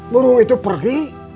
burung itu pergi